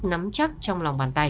nắm chắc trong lòng bàn tay